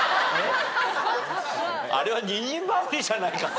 あれは二人羽織じゃないかと。